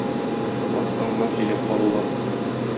Арттан гына сөйләп калулар.